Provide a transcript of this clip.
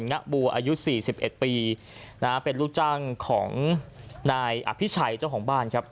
งะบูอายุ๔๑ปีเป็นรู้จังของนายอภิชัยเจ้าของบ้าน